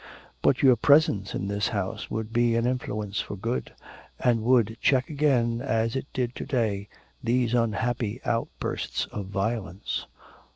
'But your presence in this house would be an influence for good, and would check again, as it did to day, these unhappy outbursts of violence.'